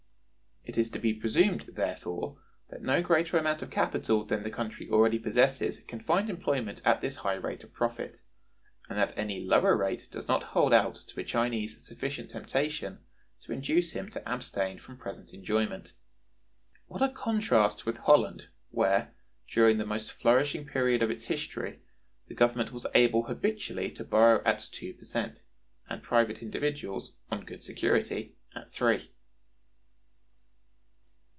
It is to be presumed, therefore, that no greater amount of capital than the country already possesses can find employment at this high rate of profit, and that any lower rate does not hold out to a Chinese sufficient temptation to induce him to abstain from present enjoyment. What a contrast with Holland, where, during the most flourishing period of its history, the government was able habitually to borrow at two per cent, and private individuals, on good security, at three!